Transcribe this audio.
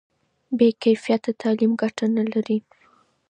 بې کیفیته تعلیم ګټه نه لري.